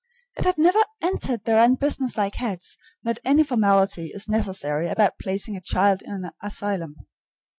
It had never entered their unbusinesslike heads that any formality is necessary about placing a child in an asylum.